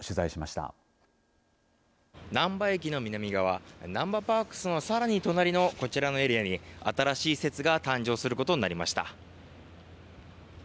なんば駅の南側なんばパークスのさらに隣のこちらのエリアに新しい施設が誕生することになりました。